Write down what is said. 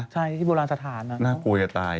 ใช่ที่โบราณสถานน่ากลัวจะตาย